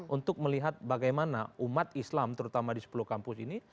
untuk melihat bagaimana umat islam terutama di sepuluh kampus ini